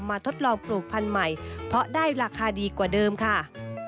ทดลองปลูกพันธุ์ใหม่เพราะได้ราคาดีกว่าเดิมค่ะ